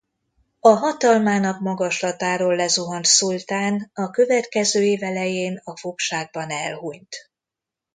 A hatalmának magaslatáról lezuhant szultán a következő év elején a fogságban elhunyt.